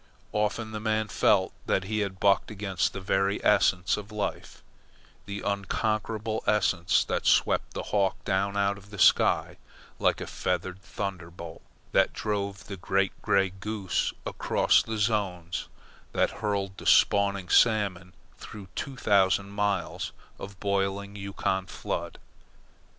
Often the man felt that he had bucked against the very essence of life the unconquerable essence that swept the hawk down out of the sky like a feathered thunderbolt, that drove the great grey goose across the zones, that hurled the spawning salmon through two thousand miles of boiling Yukon flood.